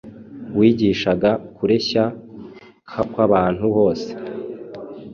wigishaga kureshya kw’abantu bose